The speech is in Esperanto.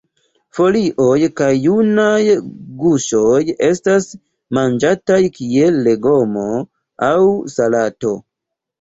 Folioj kaj junaj guŝoj estas manĝataj kiel legomo aŭ salato.